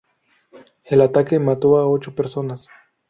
El ataque mató a ocho personas.